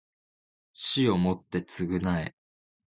死をもって償え